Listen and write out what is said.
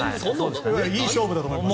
いい勝負だと思います。